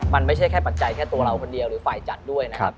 มันไม่ใช่แค่ปัจจัยแค่ตัวเราคนเดียวหรือฝ่ายจัดด้วยนะครับ